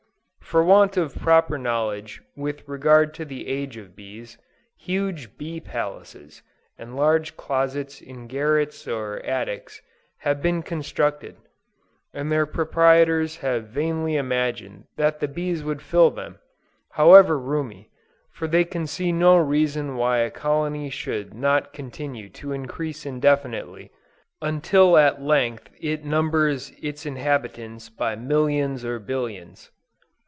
For want of proper knowledge with regard to the age of bees, huge "bee palaces," and large closets in garrets or attics, have been constructed, and their proprietors have vainly imagined that the bees would fill them, however roomy; for they can see no reason why a colony should not continue to increase indefinitely, until at length it numbers its inhabitants by millions or billions!